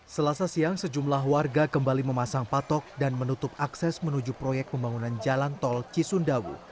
selasa siang sejumlah warga kembali memasang patok dan menutup akses menuju proyek pembangunan jalan tol cisundawu